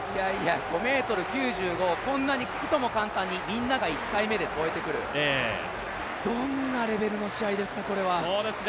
５ｍ９５を、いとも簡単にみんなが１回目で越えてくる、どんなレベルの試合ですか、これは。